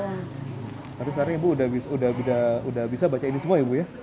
nanti seharian ibu udah bisa baca ini semua ya ibu ya